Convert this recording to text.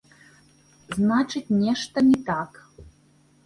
Значыць, нешта не так.